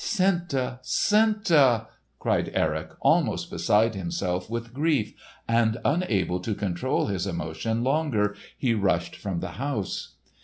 "Senta, Senta!" cried Erik almost beside himself with grief; and unable to control his emotion longer he rushed from the house.